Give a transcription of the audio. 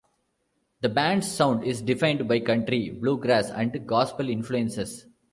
The band's sound is defined by country, bluegrass and gospel influences.